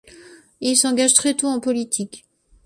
Il s'engage très tôt en politique.